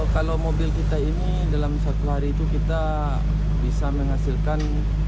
kalau mobil kita ini dalam satu hari itu kita bisa menghasilkan